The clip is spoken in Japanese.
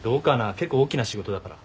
結構大きな仕事だから。